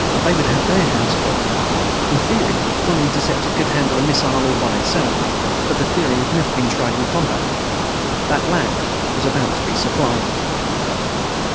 They would have their hands full. In theory, one interceptor could handle a missile all by itself. But the theory had never been tried in combat. That lack was about to be supplied.